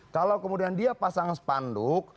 kalau kemudian dia pasang spanduk